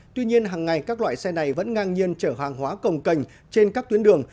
tuy nhiên hàng ngày các loại xe này vẫn ngang nhiên chở hàng hóa cồng cành trên các tuyến đường